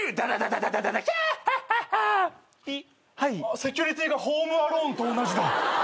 セキュリティーが『ホーム・アローン』と同じだ。